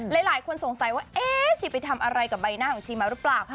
หลายคนสงสัยว่าเอ๊ะชีไปทำอะไรกับใบหน้าของชีมาหรือเปล่า